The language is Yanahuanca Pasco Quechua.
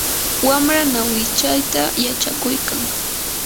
wamra ñawinchayta yachakuykan.